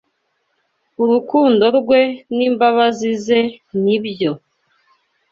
urukundo rwe n’imbabazi ze ni byo